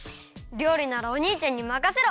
りょうりならおにいちゃんにまかせろ！